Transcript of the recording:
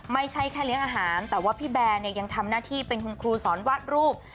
ไม่ใช่แค่เลี้ยงอาหารแต่ว่าพี่แบร์เนี่ยยังทำหน้าที่เป็นคุณครูสอนวาดรูป